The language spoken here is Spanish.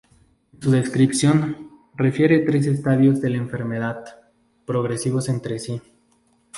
En su descripción, refiere tres estadios de la enfermedad, progresivos entre sí.